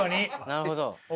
なるほど。